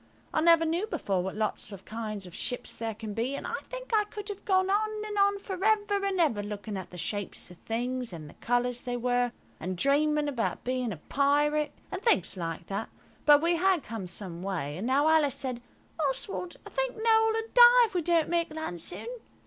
I never knew before what lots of kinds of ships there can be, and I think I could have gone on and on for ever and ever looking at the shapes of things and the colours they were, and dreaming about being a pirate, and things like that, but we had come some way; and now Alice said– "Oswald, I think Noël will die if we don't make land soon."